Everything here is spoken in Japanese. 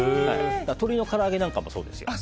鶏のから揚げなんかもそうですよ。